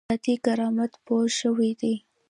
ذاتي کرامت پوه شوی دی.